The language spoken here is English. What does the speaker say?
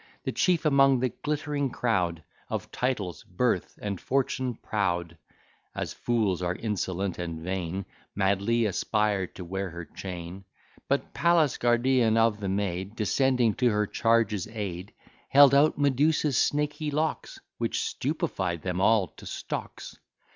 The chief among the glittering crowd, Of titles, birth, and fortune proud, (As fools are insolent and vain) Madly aspired to wear her chain; But Pallas, guardian of the maid, Descending to her charge's aid, Held out Medusa's snaky locks, Which stupified them all to stocks.